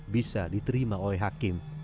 bisa diterima oleh hakim